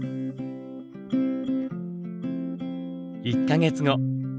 １か月後。